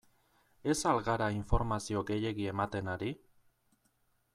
Ez al gara informazio gehiegi ematen ari?